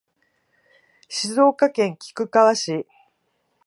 静岡県菊川市